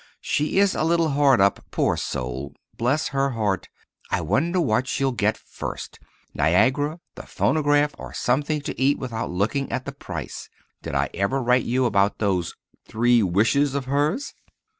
She is a little hard up, poor soul. Bless her heart! I wonder what she'll get first, Niagara, the phonograph, or something to eat without looking at the price. Did I ever write you about those "three wishes" of hers?